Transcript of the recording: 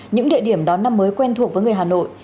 những địa điểm đón năm mới quen thuộc với người hà nội